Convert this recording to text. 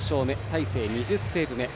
大勢、２０セーブ目。